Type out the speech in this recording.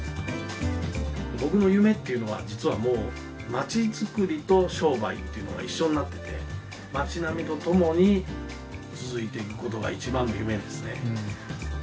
僕の夢っていうのは実はもう町づくりと商売っていうのが一緒になってて町並みとともに続いていくことが一番の夢ですね。